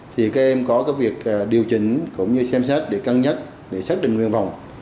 thì các em có cái việc điều chỉnh cũng như xem xét để cân nhắc để xác định nguyên vọng